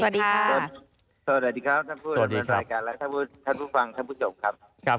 สวัสดีครับท่านผู้ชายการและท่านผู้ฟังท่านผู้โยคครับ